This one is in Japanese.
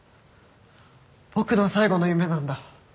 僕の最後の夢なんだ。